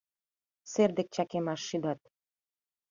Сер дек чакемаш шӱдат.